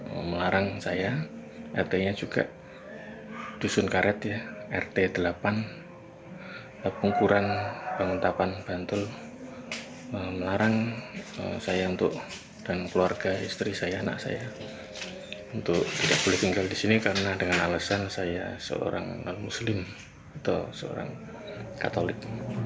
pengukuran bangun tapan bantul melarang saya dan keluarga istri saya anak saya untuk tidak boleh tinggal di sini karena dengan alasan saya seorang non muslim atau seorang katolik